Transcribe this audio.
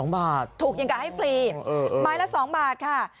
๒บาทถูกอย่างกะให้ฟรีไม้ละ๒บาทค่ะ